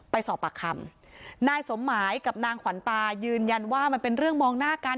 ไปสอบปากคำนายสมหมายกับนางขวัญตายืนยันว่ามันเป็นเรื่องมองหน้ากัน